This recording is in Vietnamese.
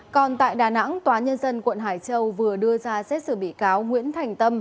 còn tại đà nẵng tòa nhân dân quận hải châu vừa đưa ra xét xử bị cáo nguyễn thành tâm